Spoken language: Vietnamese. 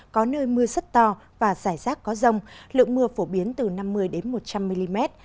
có nơi mưa rất to và rải rác có rông lượng mưa phổ biến từ năm mươi một trăm linh mm